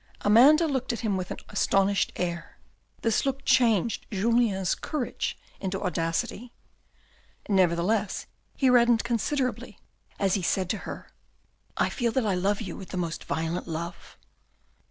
Amanda looked at him with an astonished air. This look changed Julien's courage into audacity. Nevertheless, he reddened considerably, as he said to her. " I feel that I love you with the most violent love."